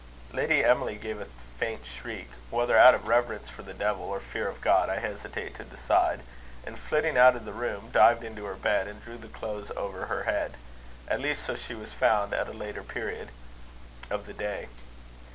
Lady Emily gave a faint shriek, whether out of reverence for the devil, or fear of God, I hesitate to decide; and flitting out of the room, dived into her bed, and drew the clothes over her head at least so she was found at a later period of the day.